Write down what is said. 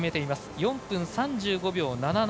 ４分３５秒７７。